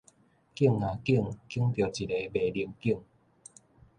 揀也揀，揀著一个賣龍眼